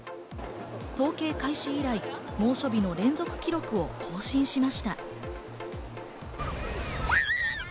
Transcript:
統計開始以来、猛暑日の連続記録を更新しました。